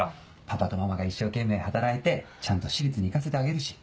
パパとママが一生懸命働いてちゃんと私立に行かせてあげるし。